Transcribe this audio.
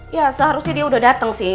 ya seharusnya dia udah datang sih